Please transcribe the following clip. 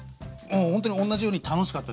ほんとに同じように楽しかったですね。